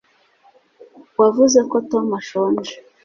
wavuze ko tom ashonje